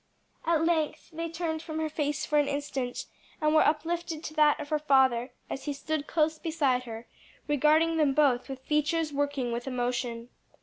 At length they turned from her face for an instant and were uplifted to that of her father, as he stood close beside her, regarding them both with features working with emotion.